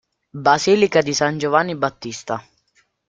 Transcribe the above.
Basilica di San Giovanni Battista